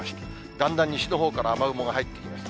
だんだん西のほうから雨雲が入ってきました。